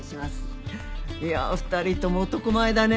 いや２人とも男前だね。